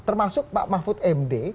termasuk pak mahfud md